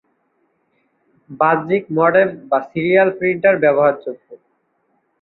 বাহ্যিক মডেম বা serial printer ব্যবহারযোগ্য।